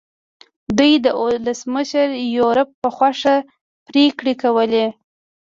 دوی د ولسمشر یوریب په خوښه پرېکړې کولې.